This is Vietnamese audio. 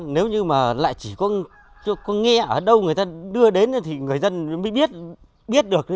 nếu như mà lại chỉ có nghe ở đâu người ta đưa đến thì người dân mới biết được